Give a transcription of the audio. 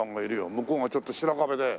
向こうがちょっと白壁で。